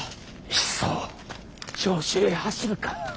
いっそ長州へ走るか。